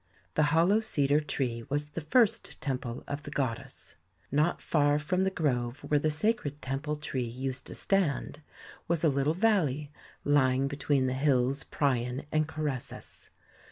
The hollow cedar tree was the first temple of the goddess. Not far from the grove where the sacred temple tree used to stand, was a little valley lying be tween the hills Prion and Coressus.